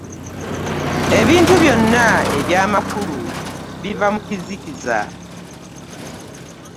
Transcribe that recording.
Ebintu byona eby'amakulu biva mu kizikiza.